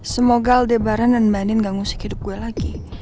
semoga aldebaran dan banin gak ngusik hidup gue lagi